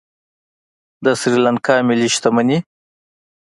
د سریلانکا ملي شتمني